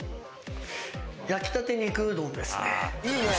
焼きたて肉うどんですね。